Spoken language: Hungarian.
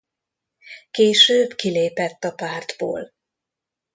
Később kilépett a pártból.